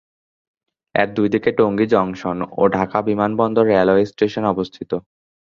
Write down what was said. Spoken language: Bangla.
এর দুই দিকে টঙ্গী জংশন ও ঢাকা বিমানবন্দর রেলওয়ে স্টেশন অবস্থিত।